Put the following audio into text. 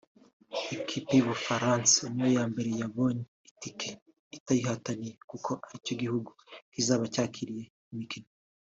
Ikipe y’u Bufaransa niyo ya mbere yabonye itike itayihataniye kuko ari cyo gihugu kizaba cyakiriye imikino